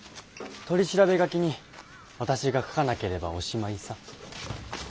取り調べ書きに私が書かなければおしまいさ。